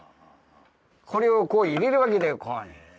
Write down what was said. これをこう入れるわけだよこう。